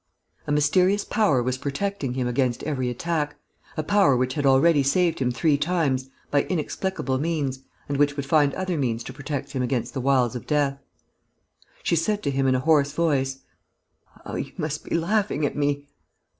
A mysterious power was protecting him against every attack, a power which had already saved him three times by inexplicable means and which would find other means to protect him against the wiles of death. She said to him, in a hoarse voice: "How you must be laughing at me!"